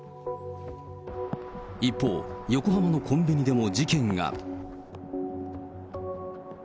一方、横浜のコンビニでも事件が。